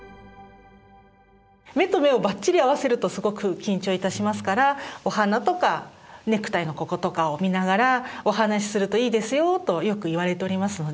目と目をばっちり合わせるとすごく緊張いたしますからお鼻とかネクタイのこことかを見ながらお話しするといいですよとよく言われておりますので。